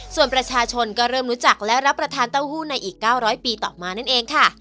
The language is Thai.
ส่วนประชาชนก็เริ่มรู้จักและรับประทานเต้าหู้ในอีก๙๐๐ปีต่อมานั่นเองค่ะ